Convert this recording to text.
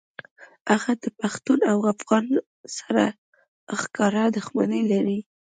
هغه د پښتون او افغان سره ښکاره دښمني لري